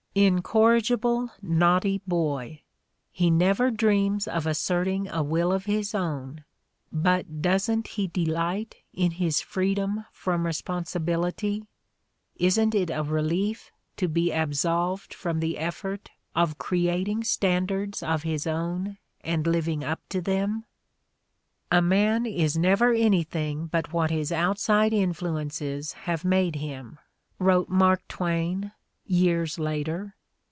Incorrigible naughty boy! He never dreams of asserting a will of his own; but doesn't he delight in his freedom from responsibility, isn't it a relief to be absolved from the effort of creating stand ards of his own and living up to them ? "A man is never anything but what his outside influ ences have made him," wrote Mark Twain, years later.